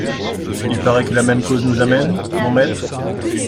Il parait que la même cause nous amène, mon maître ?